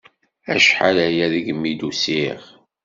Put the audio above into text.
Acḥal-aya degmi d-usiɣ!